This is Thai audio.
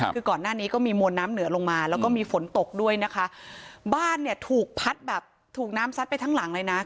คือก่อนหน้านี้ก็มีมวลน้ำเหนือลงมาแล้วก็มีฝนตกด้วยนะคะบ้านเนี่ยถูกพัดแบบถูกน้ำซัดไปทั้งหลังเลยนะ